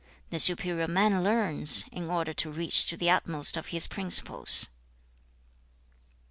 The superior man learns, in order to reach to the utmost of his principles.'